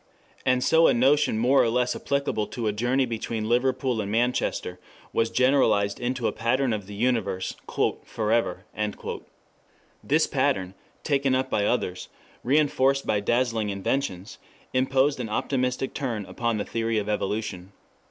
] And so a notion more or less applicable to a journey between Liverpool and Manchester was generalized into a pattern of the universe "for ever." This pattern, taken up by others, reinforced by dazzling inventions, imposed an optimistic turn upon the theory of evolution.